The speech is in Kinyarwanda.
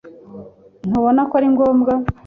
Ntubona ko ari ngombwa